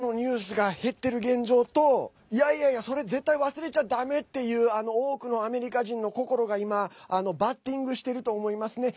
ウクライナのニュースが減ってる現状といやいやいや、それ絶対、忘れちゃだめっていう多くのアメリカ人の心が今バッティングしてると思いますね。